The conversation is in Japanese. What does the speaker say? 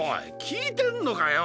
きいてんのかよ！